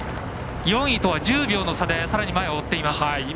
４位とは１０秒の差でさらに前を追っています。